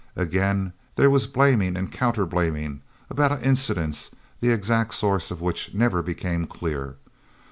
Again there was blaming and counter blaming, about incidents the exact sources of which never became clear.